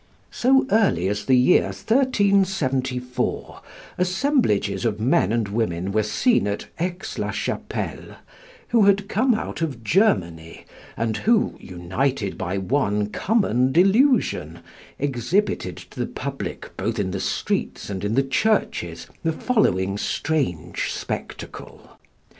So early as the year 1374, assemblages of men and women were seen at Aix la Chapelle, who had come out of Germany, and who, united by one common delusion, exhibited to the public both in the streets and in the churches the following strange spectacle.